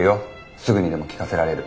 すぐにでも聴かせられる。